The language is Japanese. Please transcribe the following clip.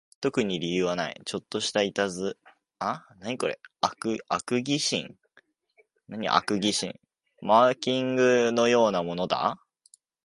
特に理由はない、ちょっとした悪戯心、マーキングのようなものだ